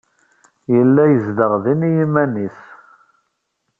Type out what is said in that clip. Yella yezdeɣ din i yiman-nnes.